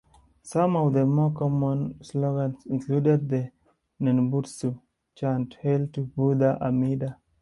Some of the more common slogans included the "nenbutsu" chant "Hail to Buddha Amida!